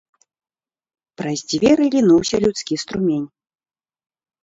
Праз дзверы лінуўся людскі струмень.